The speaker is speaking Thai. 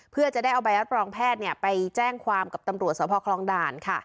เพื่อจะได้เอาใบรับรองแพทย์ไปแจ้งความกับตำรวจสพคลองด่าน